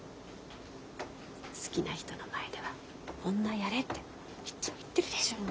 好きな人の前では女やれっていっつも言ってるでしょうが。